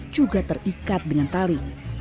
juga terikat dengan tali